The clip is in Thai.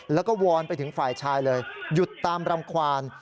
แล้วก็วอนไปถึงฝ่ายชายเลยหยุดตามรำควาน